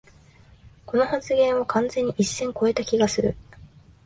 この発言は完全に一線こえた気がする